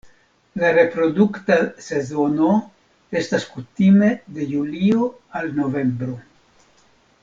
La reprodukta sezono estas kutime de julio al novembro.